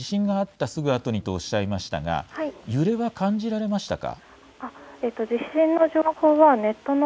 地震があったすぐあとにとおっしゃいましたが揺れは感じられましたか。